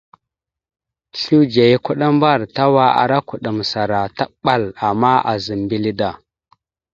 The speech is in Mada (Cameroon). Sludze ya kuɗambar tawa ara kəɗaməsara taɓal, ama aazam mbile da.